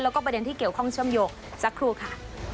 แล้วก็ประเด็นที่เกี่ยวข้องเชื่อมโยงสักครู่ค่ะ